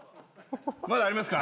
まだありますか？